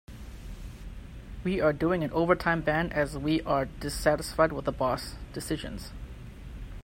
We are doing an overtime ban as we are dissatisfied with the boss' decisions.